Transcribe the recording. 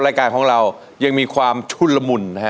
รายการของเรายังมีความชุนละมุนนะฮะ